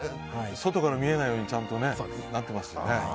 外から見えないようにちゃんとなってますよね。